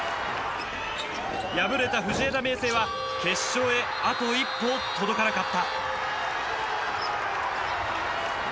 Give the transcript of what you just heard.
敗れた藤枝明誠は決勝へ、あと一歩届かなかった。